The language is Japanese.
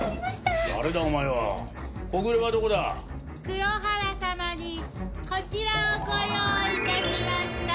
黒原様にこちらをご用意致しました！